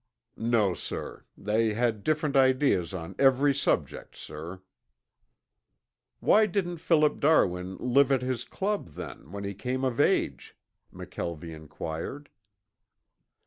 "No, sir. They had different ideas on every subject, sir." "Why didn't Philip Darwin live at his club then, when he came of age?" McKelvie inquired.